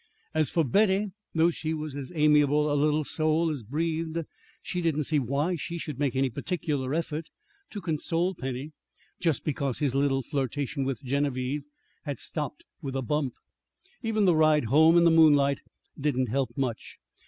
As for Betty, though she was as amiable a little soul as breathed, she didn't see why she should make any particular effort to console Penny, just because his little flirtation with Genevieve had stopped with a bump. Even the ride home in the moonlight didn't help much.